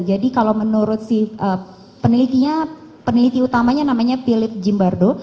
jadi kalau menurut penelitinya peneliti utamanya namanya philip zimbardo